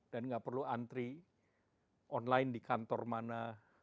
dan gak perlu antri online di kantor mana